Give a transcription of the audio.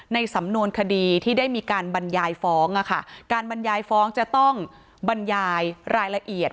ในสำนวนคดีที่ได้มีการบรรยายฟ้องการบรรยายฟ้องจะต้องบรรยายรายละเอียด